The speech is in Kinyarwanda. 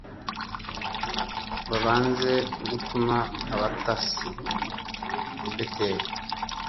Babanza gutuma abatasi i beteli